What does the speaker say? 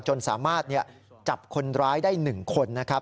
จนสามารถจับคนร้ายได้๑คนนะครับ